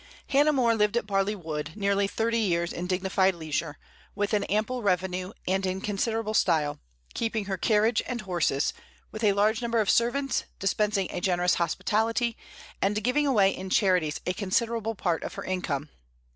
Hannah More lived at Barley Wood nearly thirty years in dignified leisure, with an ample revenue and in considerable style, keeping her carriage and horses, with a large number of servants, dispensing a generous hospitality, and giving away in charities a considerable part of her income.